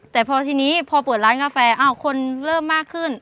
แต่พอทีนี้พอเปิดร้านกาแฟอ้าวคนเริ่มมากขึ้น